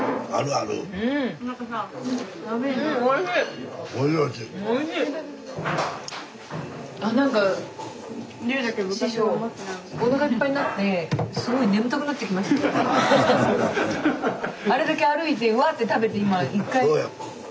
あなんかあれだけ歩いてうわって食べて今一回。